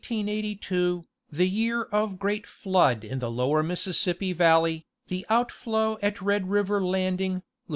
During the year 1882, the year of great flood in the lower Mississippi valley, the outflow at Red River Landing, La.